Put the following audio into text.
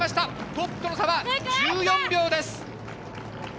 トップとの差は１４秒です。